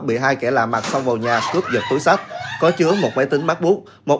bị hai kẻ lạ mặt xông vào nhà cướp giật túi sách có chứa một máy tính mát bút